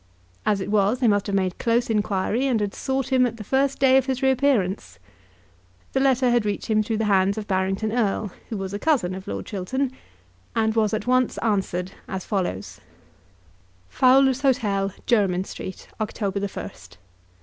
As it was, they must have made close inquiry, and had sought him at the first day of his reappearance. The letter had reached him through the hands of Barrington Erle, who was a cousin of Lord Chiltern, and was at once answered as follows: Fowler's Hotel, Jermyn Street, October 1st.